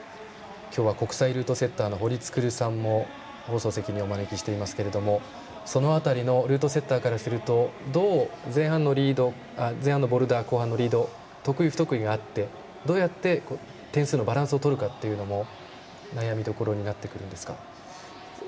今日は国際ルートセッター堀創さんも放送席にお招きしていますが、その辺りルートセッターからするとどう前半のボルダー後半のリード得意、不得意があってどうやって点数のバランスをとるかっていうのも悩みどころになってくるんですか。